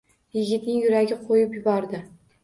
Yigitning yuragi qo‘yib yubordi.